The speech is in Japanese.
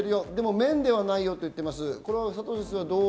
面ではないよと言っていました。